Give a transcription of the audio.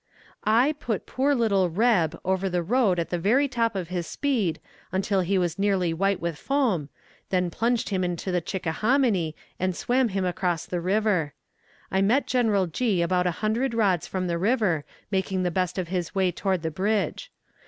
I put poor little "Reb" over the road at the very top of his speed until he was nearly white with foam, then plunged him into the Chickahominy and swam him across the river. I met General G. about a hundred rods from the river making the best of his way toward the bridge.